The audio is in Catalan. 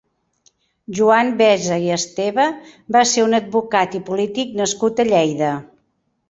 Joan Besa i Esteve va ser un advocat i polític nascut a Lleida.